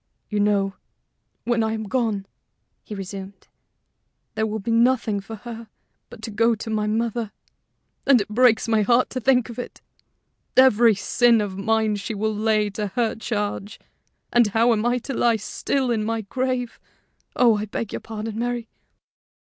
"You know, when I am gone," he resumed, "there will be nothing for her but to go to my mother; and it breaks my heart to think of it. Every sin of mine she will lay to her charge; and how am I to lie still in my grave oh, I beg your pardon, Mary."